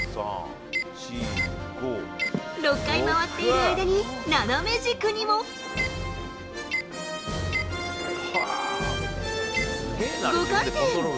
６回回っている間に、斜め軸にも。５回転。